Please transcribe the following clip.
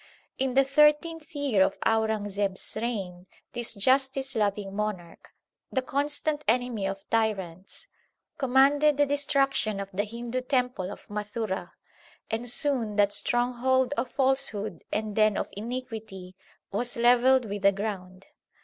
In the thirteenth year of Aurang zeb s reign this justice loving monarch, the constant enemy of tyrants, commanded the destruction of the Hindu temple of Mathura, and soon that stronghold of falsehood and den of iniquity was levelled with the ground.